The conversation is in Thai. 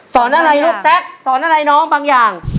อะไรลูกแซ็กสอนอะไรน้องบางอย่าง